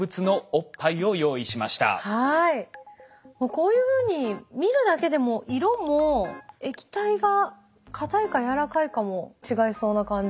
こういうふうに見るだけでも色も液体がかたいかやわらかいかも違いそうな感じ。